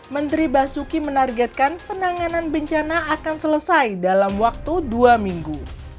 menteri basuki menargetkan penanganan bencana akan selesai dalam waktu dua minggu